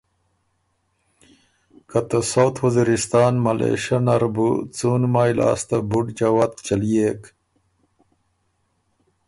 که ته ساؤتھ وزیرِستان ملېشۀ نر بُو څُون مای لاسته بُډ جوت چلئېک